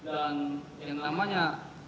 dan yang namanya